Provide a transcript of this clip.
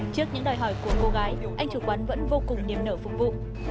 trước những đòi hỏi của cô gái anh chủ quán vẫn vô cùng niềm nở phục vụ